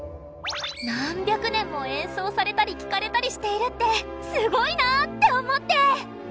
何百年も演奏されたり聴かれたりしているってすごいなって思って！